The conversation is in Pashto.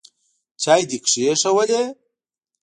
چای دي کښېښوولې ؟